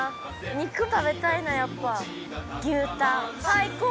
肉食べたいなやっぱ牛タン最高！